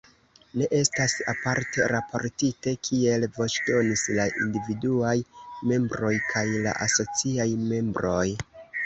Ne estas aparte raportite, kiel voĉdonis la individuaj membroj kaj la asociaj membroj.